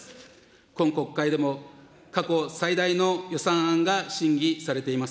今国会でも過去最大の予算案が審議されています。